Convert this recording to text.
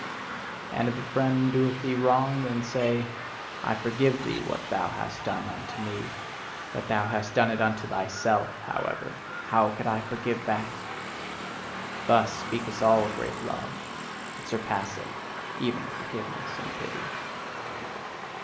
And if a friend doeth thee wrong, then say: "I forgive thee what thou hast done unto me; that thou hast done it unto THYSELF, however how could I forgive that!" Thus speaketh all great love: it surpasseth even forgiveness and pity.